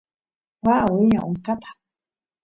waa wiña utkata